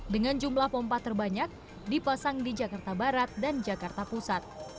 dengan jumlah pompa terbanyak dipasang di jakarta barat dan jakarta pusat